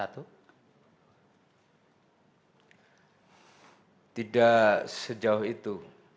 tidak sejauh itu